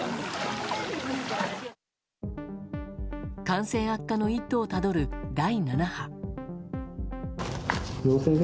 感染悪化の一途をたどる第７波。